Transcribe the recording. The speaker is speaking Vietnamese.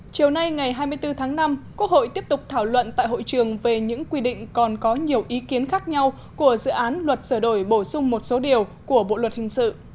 chiều nay ngày hai mươi bốn tháng năm quốc hội tiếp tục thảo luận tại hội trường về những quy định còn có nhiều ý kiến khác nhau của dự án luật sửa đổi bổ sung một số điều của bộ luật hình sự